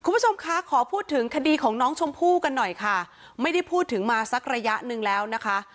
คุณผู้ชมคะขอพูดถึงคดีของน้องชมพู่กันหน่อยค่ะไม่ได้พูดถึงมาสักระยะหนึ่งแล้วนะคะ